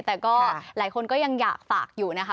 แต่ก็หลายคนก็ยังอยากฝากอยู่นะคะ